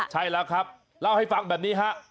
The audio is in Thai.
ใช่แล้วครับเล่าให้ฟังแบบนี้ฮะ